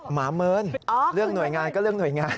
หมาเมินเรื่องหน่วยงานก็เรื่องหน่วยงาน